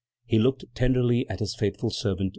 He looked tenderly at his faithful servant.